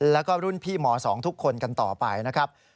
แล้วก็รุ่นพี่ม๒ทุกคนกันต่อไปนะครับ